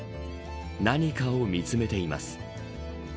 何かを見つめています。